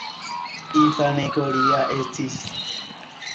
Infanego li ja estis.